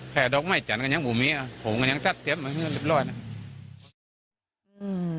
แค่ดอกไม่จันกันยังหูมี้อ่ะผมกันยังจัดเจ็บมาเรียบร้อยน่ะ